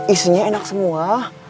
isinya enak semua